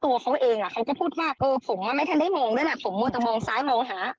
ตัวเขาเองเขาก็พูดว่าเออผมไม่ทันได้มองด้วยแหละผมมัวแต่มองซ้ายมองหา